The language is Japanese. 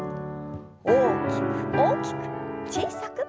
大きく大きく小さく。